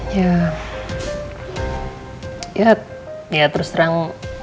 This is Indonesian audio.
ya terus terang